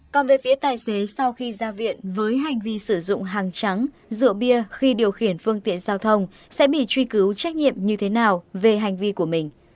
còn về phía tài xế sau khi ra viện với hành vi sử dụng hàng trắng rượu bia khi điều khiển phương tiện giao thông sẽ bị truy cứu trách nhiệm như thế nào về hành vi của mình